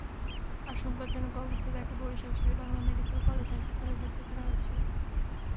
আশঙ্কাজনক অবস্থায় তাঁকে বরিশাল শেরেবাংলা মেডিকেল কলেজ হাসপাতালে ভর্তি করা হয়েছে।